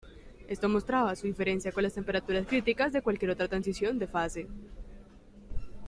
Esto mostraba su diferencia con las temperaturas críticas de cualquier otra transición de fase.